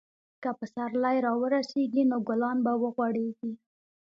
که پسرلی راورسیږي، نو ګلان به وغوړېږي.